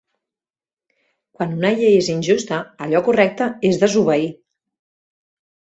Quan una llei és injusta, allò correcte és desobeir.